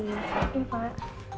terima kasih pak